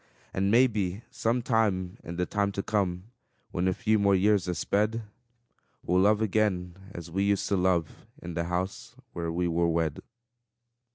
And maybe some time in the time to come, When a few more years are sped, We'll love again as we used to love, In the house where we were wed.